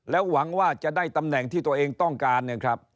หวังว่าจะได้ตำแหน่งที่ตัวเองต้องการนะครับ